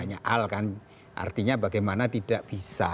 artinya bagaimana tidak bisa